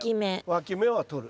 わき芽は取る。